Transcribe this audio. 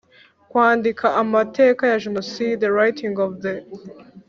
Kwandika amateka ya Jenoside Writing of the